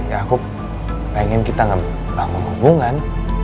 ya aku pengen kita enggak bangun hubungan